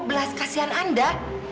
belas kasihan anda